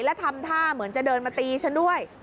และทำท่าเหมือนจะเดินมาตีฉันด้วย